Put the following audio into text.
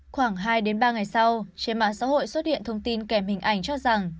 khoảng hai ba ngày sau trên mạng xã hội xuất hiện thông tin kèm hình ảnh cho rằng